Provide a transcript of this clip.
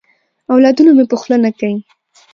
اولادونه مي په خوله نه کیې.